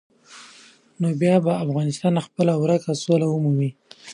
نو بیا به افغانستان خپله ورکه سوله ومومي.